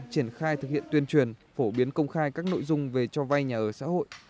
triển khai thực hiện tuyên truyền phổ biến công khai các nội dung về cho vay nhà ở xã hội